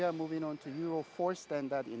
dan sekarang kita bergerak ke standar euro empat